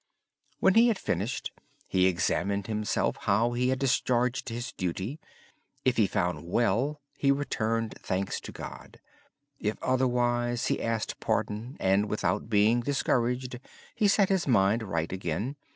When he had finished, he examined himself how he had discharged his duty. If he found well, he returned thanks to God. If otherwise, he asked pardon and, without being discouraged, he set his mind right again.